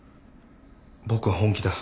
僕は本気だ。